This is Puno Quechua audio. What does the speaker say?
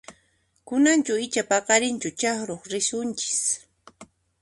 Kunanchu icha paqarinchu chakchuq risunchis?